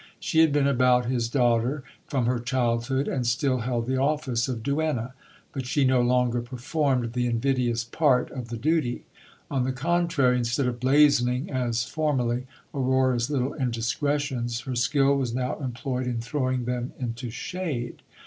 She had been about his daughter from her childhood, and still held the office of duenna ; but she no longer performed the invidious part of the duty. On the contrary, instead of blazoning, as formerly, Aurora's little indiscretions, her skill was now employed in throwing them into shade.